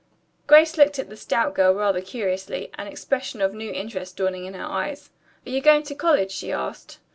Grace looked at the stout girl rather curiously, an expression of new interest dawning in her eyes. "Are you going to college?" she asked.